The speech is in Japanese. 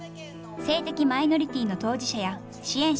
性的マイノリティーの当事者や支援者